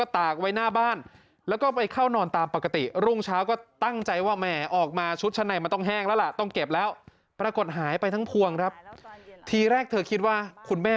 ต้องเก็บแล้วปรากฏหายไปทั้งพวงครับทีแรกเธอคิดว่าคุณแม่